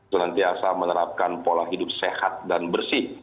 dan nanti asal menerapkan pola hidup sehat dan bersih